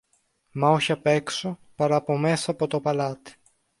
μα όχι απ' έξω, παρά από μέσα από το παλάτι.